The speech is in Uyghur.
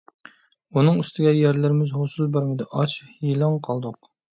ئۇنىڭ ئۈستىگە، يەرلىرىمىز ھوسۇل بەرمىدى. ئاچ - يېلىڭ قالدۇق.